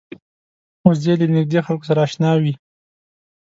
وزې له نږدې خلکو سره اشنا وي